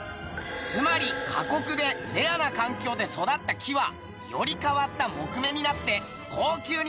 つまり過酷でレアな環境で育った木はより変わった杢目になって高級になるってわけだ。